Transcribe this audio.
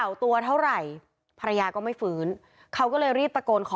แล้วก็ได้คุยกับนายวิรพันธ์สามีของผู้ตายที่ว่าโดนกระสุนเฉียวริมฝีปากไปนะคะ